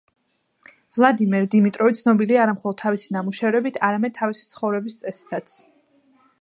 ვლადიმირ დიმიტროვი ცნობილია არა მხოლოდ თავისი ნამუშევრებით, არამედ თავისი ცხოვრების წესითაც.